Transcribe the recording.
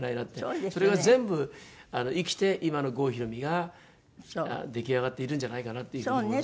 それが全部生きて今の郷ひろみが出来上がっているんじゃないかなっていう風に思います。